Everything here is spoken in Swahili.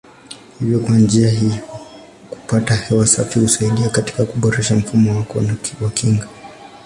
Hivyo kwa njia hii kupata hewa safi husaidia katika kuboresha mfumo wako wa kinga.